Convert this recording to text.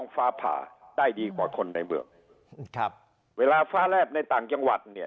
ฟ้าผ่าได้ดีกว่าคนในเมืองครับเวลาฟ้าแลบในต่างจังหวัดเนี่ย